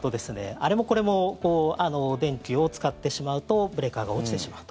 あれもこれも電気を使ってしまうとブレーカーが落ちてしまうと。